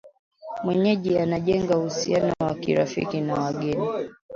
mwenyeji anajenga uhusiano wa kirafiki na wageni